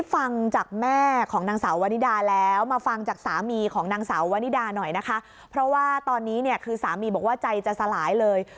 ฟังจากสามีของสาววนิดาเลยนะคะสามีบอกใจจะสลาย